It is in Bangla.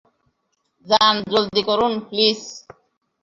যান, জলদি করুন, প্লিজ!